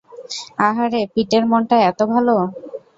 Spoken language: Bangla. আহারে, পিটের মনটা এত ভালো।